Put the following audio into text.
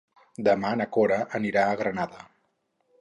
Demà na Cora anirà a la Granada.